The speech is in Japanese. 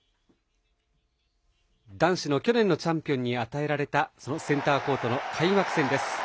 男子の去年のチャンピオンに与えられたそのセンターコートの開幕戦です。